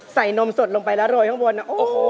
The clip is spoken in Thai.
ใส่นมสดลงไปแล้วโรยข้างบนนะ